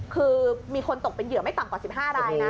คือมีคนตกเป็นเหยื่อไม่ต่ำกว่า๑๕รายนะ